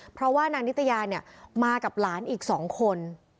เพราะว่านางนิตยาเนี่ยมากับหลานอีก๒คน